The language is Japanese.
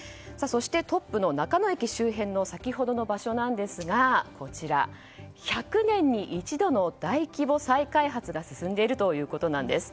そしてトップの中野駅周辺の先ほどの場所ですが１００年に一度の大規模再開発が進んでいるということです。